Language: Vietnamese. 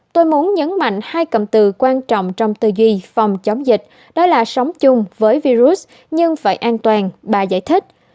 tôi muốn nhấn mạnh hai cầm từ quan trọng trong tư duy phòng chống dịch đó là sống chung với virus nhưng phải an toàn bà giải thích